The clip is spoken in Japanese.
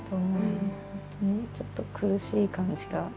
本当にちょっと苦しい感じが。